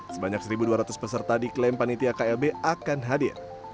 sebanyak satu dua ratus peserta diklaim panitia klb akan hadir